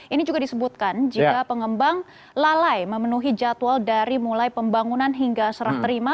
ini juga disebutkan jika pengembang lalai memenuhi jadwal dari mulai pembangunan hingga serah terima